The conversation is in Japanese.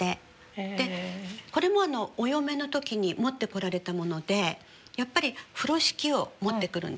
でこれもお嫁の時に持ってこられたものでやっぱり風呂敷を持ってくるんです。